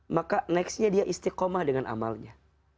maka nextnya dia istiqomah dengan amalnya